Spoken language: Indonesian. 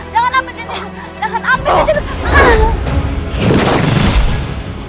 jangan ambil cincinku